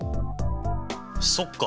そっか！